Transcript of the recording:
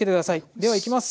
ではいきます。